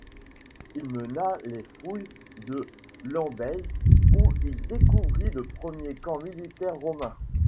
Il mena les fouilles de Lambèse où il découvrit le premier camp militaire romain.